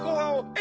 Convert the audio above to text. え？